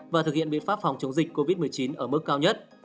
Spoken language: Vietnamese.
và thực hiện biện pháp phòng chống dịch covid một mươi chín ở mức cao nhất